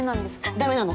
ダメなの。